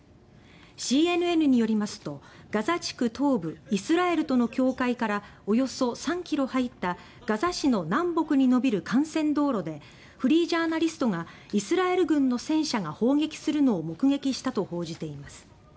ＣＮＮによりますとガザ地区東部イスラエルとの境界からおよそ３ｋｍ入ったガザ市の南北に延びる幹線道路でフリージャーナリストがイスラエル軍の戦車が砲撃するのを目撃したと報じています。